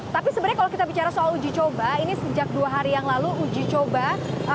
tapi sebenarnya kalau kita bicara soal uji coba ini sejak dua hari yang lalu uji coba